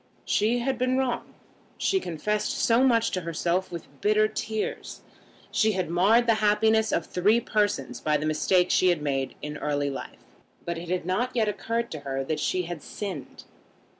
She had been wrong. She confessed so much to herself with bitter tears. She had marred the happiness of three persons by the mistake she had made in early life. But it had not yet occurred to her that she had sinned.